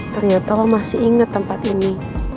ternyata lo masih ingat tempat ini